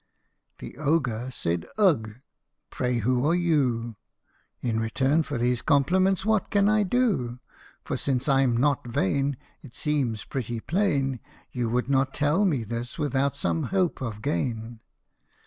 The Ogre said, "Ugh! Pray who are you f In return for these compliments what can I do ? For since I 'm not vain, it seems pretty plain You would not tell me this without some hope of gain."